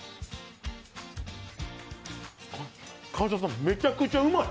川島さん、めちゃくちゃうまい！